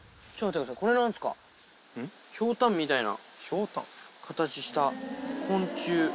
ひょうたんみたいな形した昆虫。